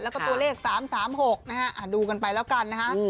แล้วก็ตัวเลข๓๓๖นะฮะดูกันไปแล้วกันนะฮะ